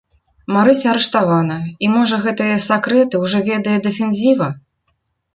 Марыся арыштавана, і, можа, гэтыя сакрэты ўжо ведае дэфензіва?